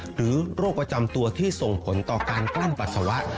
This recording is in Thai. โรคประจำตัวที่ส่งผลต่อการกลั้นปัสสาวะ